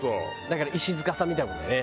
だから石塚さんみたいなもんだよね。